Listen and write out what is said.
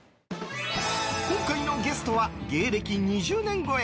今回のゲストは芸歴２０年超え